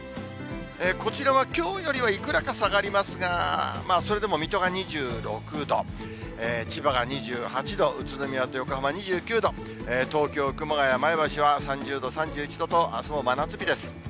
こちらはきょうよりはいくらか下がりますが、まあ、それでも水戸が２６度、千葉が２８度、宇都宮と横浜２９度、東京、熊谷、前橋は３０度、３１度と、あすも真夏日です。